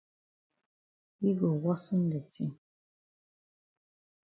Yi go worsen de tin.